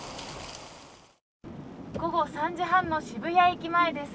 午後３時半の渋谷駅前です。